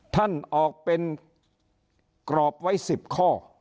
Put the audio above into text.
ท่านออกเป็นกรอบไว้๑๐ข้อ